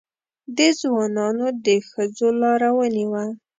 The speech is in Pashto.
دې ځوانانو د ښځو لاره ونیوه.